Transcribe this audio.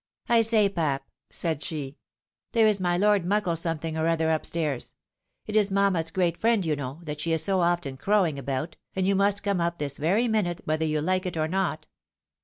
" I say, pap," said she, " there is my Lord Muckle something or other up stairs. It is mamma's great friend, you know, that she is so often crowing about, and you must come up this very minute, whether you like it or not."